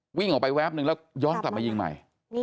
โอเคครับลุงออกไปแวบนึงแล้วย้องกลับมายิงใหม่